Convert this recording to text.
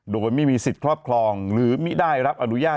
โดยไม่มีสิทธิ์ครอบครองหรือไม่ได้รับอนุญาต